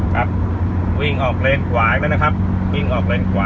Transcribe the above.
ครับวิ่งออกเลนขวาอีกแล้วนะครับวิ่งออกเลนขวา